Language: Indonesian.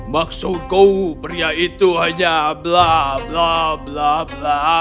maksudku pria itu hanya bla bla bla bla